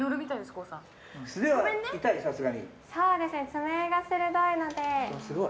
爪が鋭いので。